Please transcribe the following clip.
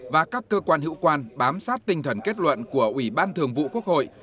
và các cơ quan hữu quan bám sát tinh thần kết luận của ủy ban thường vụ quốc hội